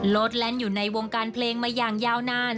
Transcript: ลดแลนด์อยู่ในวงการเพลงมาอย่างยาวนาน